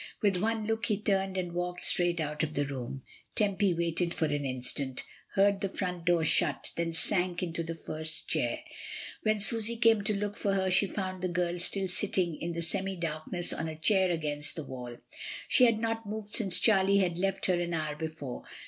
With one look he turned and walked straight out of the room. Tempy waited for an instant, heard the front door shut, then sank into the first chair. When Susy came to look for her, she found the girl still sitting in the semi darkness on a chair against the wall. She had not moved since Charlie had left her an hour before.